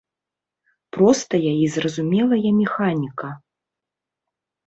Простая і зразумелая механіка.